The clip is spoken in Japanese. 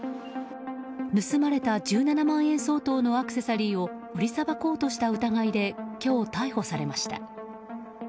盗まれた１７万円相当のアクセサリーを売りさばこうとした疑いで今日、逮捕されました。